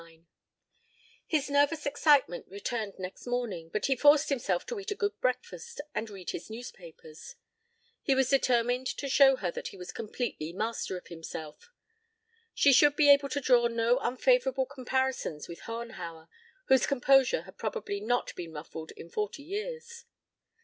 LIX His nervous excitement returned next morning, but he forced himself to eat a good breakfast and read his newspapers. He was determined to show her that he was completely master of himself. She should be able to draw no unfavorable comparisons with Hohenhauer, whose composure had probably not been ruffled in forty years.